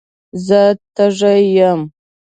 زه تږي یم.